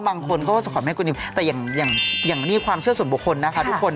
บางคนเขาก็จะขอแม่คุณนิวแต่อย่างนี่ความเชื่อส่วนบุคคลนะคะทุกคน